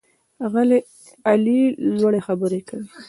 علي لوړې خبرې کوي.